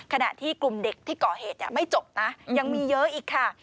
ขณะที่กลุ่มเด็กที่ก่อเหตุไม่จบนะยังมีเยอะอีกค่ะ